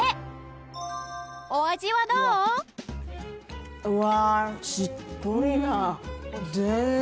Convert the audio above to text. お味はどう？